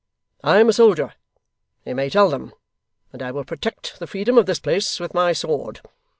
I am a soldier, you may tell them, and I will protect the freedom of this place with my sword.